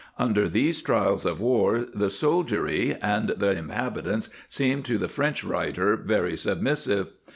Under these trials of war the soldiery and the inhabitants seemed to the French writer very submissive.